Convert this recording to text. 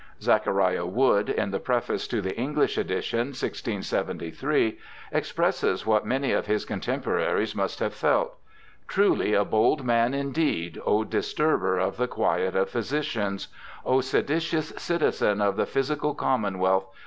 Zachariah Wood in the preface to the English edition, 1673, expresses what many of his contemporaries must have felt, ' Truly a bold man indeed, O disturber of the quiet of physicians ! O se ditious citizen of the Physical Commonwealth